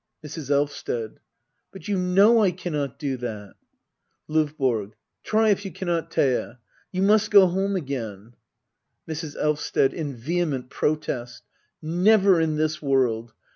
Mrs. Elvsted. But you know I cannot do that ! LOVBORO. Try if you cannot^ Thea. You must go home again Mrs. Elvsted. [In vehement protest] Never in this world